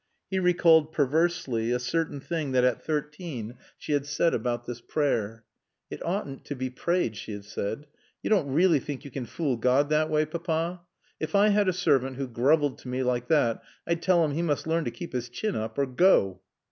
He recalled (perversely) a certain thing that (at thirteen) she had said about this prayer. "It oughtn't to be prayed," she had said. "You don't really think you can fool God that way, Papa? If I had a servant who groveled to me like that I'd tell him he must learn to keep his chin up or go."